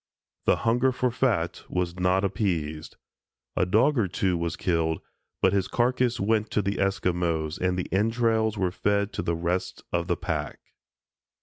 The hunger for fat was not appeased; a dog or two was killed, but his carcass went to the Esquimos and the entrails were fed to the rest of the pack.